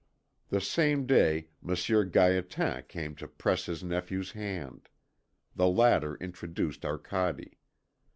The same day Monsieur Gaétan came to press his nephew's hand. The latter introduced Arcade.